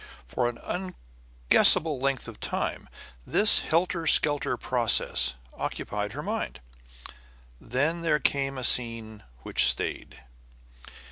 For an unguessable length of time this helter skelter process occupied her mind. Then there came a scene which stayed.